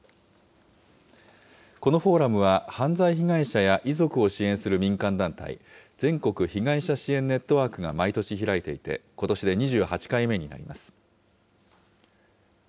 このフォーラムは犯罪被害者や遺族を支援する民間団体、全国被害者支援ネットワークが毎年開いていて、ことしで２８回目になります。